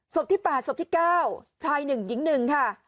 ศพที่๘ศพที่๙ชาย๑หญิง๑ค่ะ